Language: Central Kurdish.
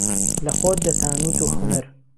له خۆت دهتا نووت و حونەر